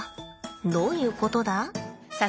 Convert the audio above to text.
どういうことだ？